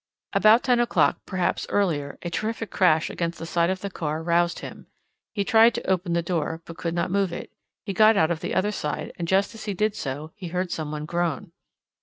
About ten o'clock, perhaps earlier, a terrific crash against the side of the car roused him. He tried to open the door, but could not move it. He got out of the other side, and just as he did so, he heard some one groan.